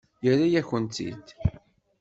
Yerra-yakent-tt-id.